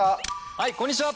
はいこんにちは！